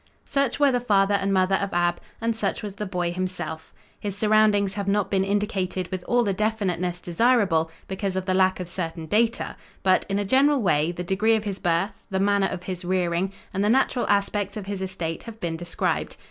Such were the father and mother of Ab, and such was the boy himself. His surroundings have not been indicated with all the definiteness desirable, because of the lack of certain data, but, in a general way, the degree of his birth, the manner of his rearing and the natural aspects of his estate have been described.